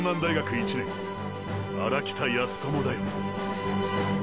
１年荒北靖友だよ。